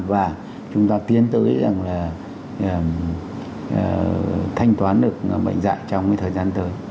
và chúng ta tiến tới rằng là thanh toán được bệnh dạy trong thời gian tới